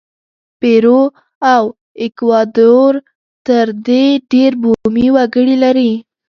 پیرو او ایکوادور تر دې ډېر بومي وګړي لري.